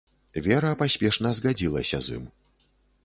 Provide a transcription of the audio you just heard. Вера паспешна згадзілася з ім.